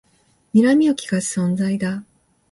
にらみをきかす存在だ